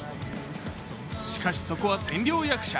しかし、そこは千両役者。